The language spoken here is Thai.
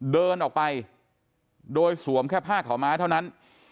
เดินออกไปโดยสวมแค่ผ้าขาวม้าเท่านั้น